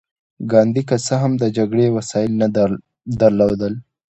ګاندي که څه هم د جګړې وسايل نه درلودل.